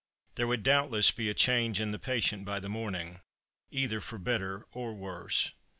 There would doubtless be a change in the patient by the morning, either for better or worse.